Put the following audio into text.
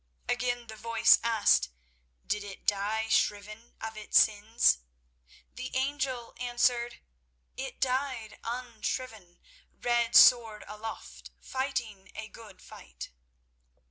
Again the voice asked: "Did it die shriven of its sins?" The angel answered: "It died unshriven, red sword aloft, fighting a good fight."